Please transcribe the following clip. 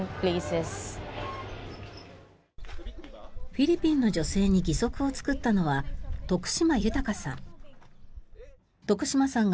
フィリピンの女性に義足を作ったのは徳島泰さん。